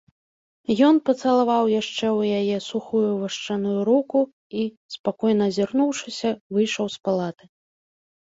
Ён пацалаваў яшчэ ў яе сухую вашчаную руку і, спакойна азірнуўшыся, выйшаў з палаты.